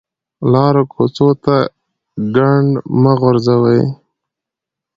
لارو کوڅو ته ګند مه غورځوئ